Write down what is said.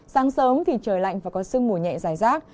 sáng sớm thì trời lạnh và có sương mù nhẹ dài rác